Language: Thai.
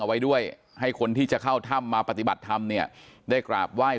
ไว้ด้วยให้คนที่จะเข้าถ้ำมาปฏิบัติธรรมเนี่ยได้กราบไหว้